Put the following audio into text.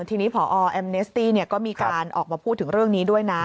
ทีนี้พอแอมเนสตี้ก็มีการออกมาพูดถึงเรื่องนี้ด้วยนะ